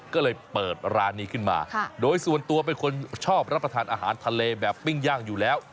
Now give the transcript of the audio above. ก็เลยเปิดร้านนี้ขึ้นมาโดยส่วนตัวเป็นคนชอบรับประทานอาหารทะเลแบบปิ้งย่างอยู่แล้ว